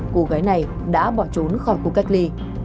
cô gái này đã bỏ trốn khỏi khu cách ly